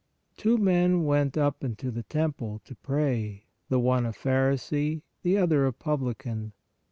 Two men went up into the temple to pray ; the one a pharisee, the other a publican.